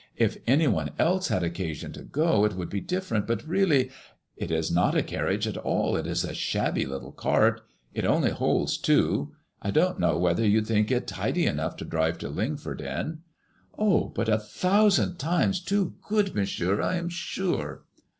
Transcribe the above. If any one else had occa sion to go it would be different, but really "It is not a carriage at all. It is a shabby little cart. It only holds two. I don't know whether you'll think it tidy enough to drive to Lingford m. ''Oh, but a thousand times too good, Monsieur, I am sure."